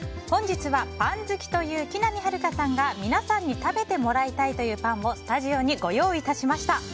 本日は、パン好きという木南晴夏さんが皆さんに食べてもらいたいというパンをスタジオにご用意いたしました。